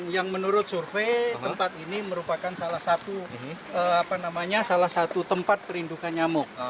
yang menurut survei tempat ini merupakan salah satu apa namanya salah satu tempat perindukan nyamuk